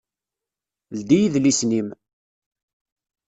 Ldi idlisen-im!